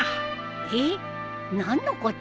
えっ何のこと？